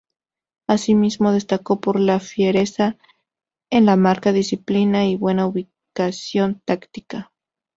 Asimismo destacó por la fiereza en la marca, disciplina y buena ubicación táctica.